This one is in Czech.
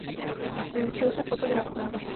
Vyučil se fotografem.